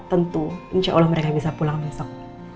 tentu insya allah mereka bisa pulang besok